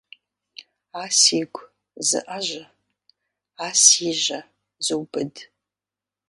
А сигу зыIэжьэ, а си жьэ зубыд.